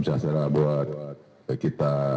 salam sejahtera buat kita